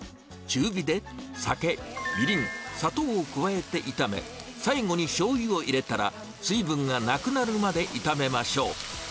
中火で酒、みりん、砂糖を加えて炒め、最後にしょうゆを入れたら、水分がなくなるまで炒めましょう。